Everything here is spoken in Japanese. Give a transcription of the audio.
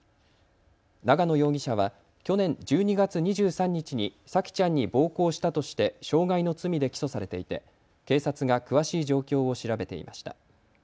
長野容疑者は去年１２月２３日に沙季ちゃんに暴行したとして傷害の罪で起訴されていて警察が詳しい状況を調べていました。